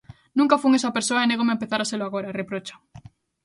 "Nunca fun esa persoa e négome a empezar a selo agora", reprocha.